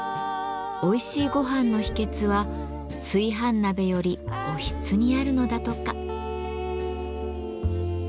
おいしいごはんの秘けつは炊飯鍋よりおひつにあるのだとか。